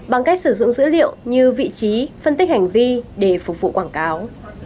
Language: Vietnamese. bằng cách sử dụng dữ liệu như vị trí phân tích hành vi để phục vụ quảng cáo